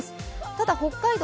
ただ北海道